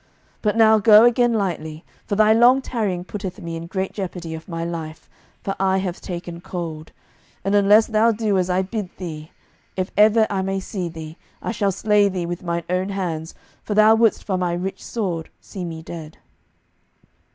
But now go again lightly, for thy long tarrying putteth me in great jeopardy of my life, for I have taken cold. And unless thou do now as I bid thee, if ever I may see thee, I shall slay thee with mine own hands, for thou wouldest for my rich sword see me dead."